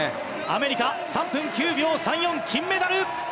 アメリカ、３分９秒３４で金メダル。